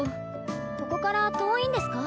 ここから遠いんですか？